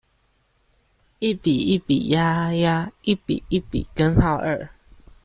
一比一比鴨鴨，一比一比根號二